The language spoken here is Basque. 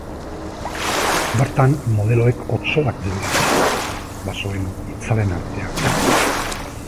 Bertan, modeloek otsoak dirudite, basoen itzalen artean dantzan.